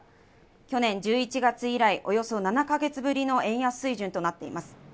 去年１１月以来、およそ７か月ぶりの円安水準となっています。